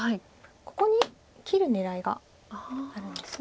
ここに切る狙いがあるんです。